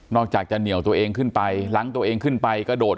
จากจะเหนียวตัวเองขึ้นไปหลังตัวเองขึ้นไปกระโดด